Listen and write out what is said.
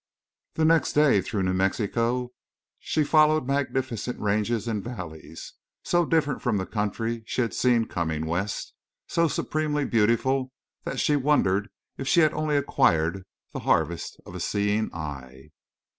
The next day through New Mexico she followed magnificent ranges and valleys—so different from the country she had seen coming West—so supremely beautiful that she wondered if she had only acquired the harvest of a seeing eye.